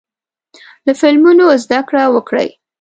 له فلمونو زده کړه وکړئ.